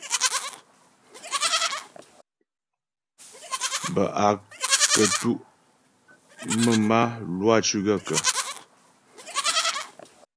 Bə́ a kətʉ' mə̀m a, Lwâ cʉ́ gaə̂kə́ ?